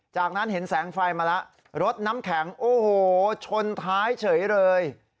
จากนั้นเห็นแสงไฟมาแล้วรถน้ำแข็งโอ้โหชนท้ายเฉยเลย